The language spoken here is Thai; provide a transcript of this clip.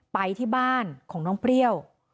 ไปที่บ้านของน้องเปรี้ยว